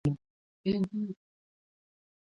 روغ رمټ تر کابله ورسوي.